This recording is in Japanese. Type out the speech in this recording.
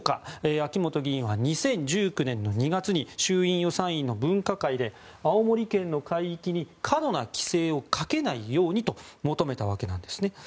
秋本議員は２０１９年２月に衆院予算委の分科会で青森県の海域に過度な規制をかけないようにと求めたわけです。